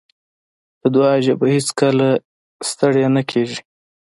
د دعا ژبه هېڅکله ستړې نه کېږي.